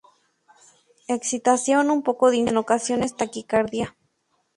Excitación, un poco de insomnio y en ocasiones taquicardia.